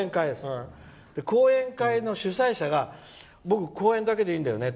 講演会の主催者が僕、講演だけでいいんだよね。